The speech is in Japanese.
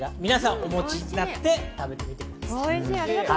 お持ちになって食べてみてください。